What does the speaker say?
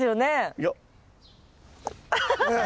いや。